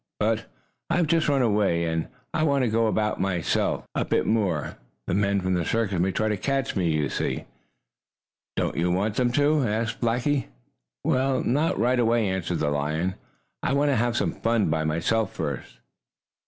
But I have just run away, and I want to go about by myself a bit more. The men from the circus may try to catch me, you know." "Don't you want them to?" asked Blackie. "Well, not right away," answered the lion. "I want to have some fun by myself first."